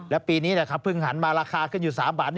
และปีนี้เพิ่งหันมาราคาขึ้นอยู่๓บาท